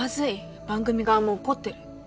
番組側も怒ってる。